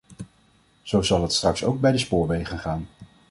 Zo zal het straks ook bij de spoorwegen gaan.